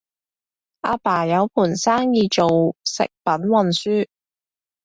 阿爸有盤生意做食品運輸